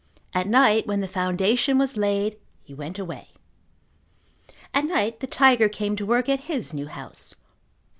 At night when the foundation was laid, he went away. At night the tiger came to work at his new house.